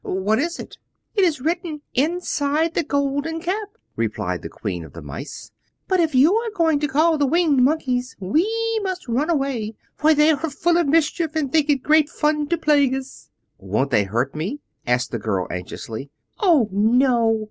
"What is it?" "It is written inside the Golden Cap," replied the Queen of the Mice. "But if you are going to call the Winged Monkeys we must run away, for they are full of mischief and think it great fun to plague us." "Won't they hurt me?" asked the girl anxiously. "Oh, no.